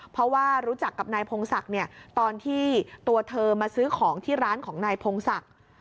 เพราะว่ารู้จักกับนายพงศักดิ์ตอนที่ตัวเธอมาซื้อของที่ร้านของนายพงศักดิ์